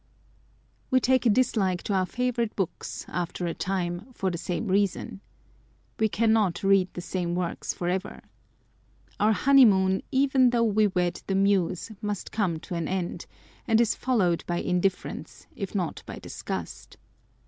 We take a dislike to our favourite books, after a time, for the same reason. We cannot read the same works for ever. Our honeymoon, even though we wed the Muse, must come to an end ; and is followed by indifference, if not by disgust.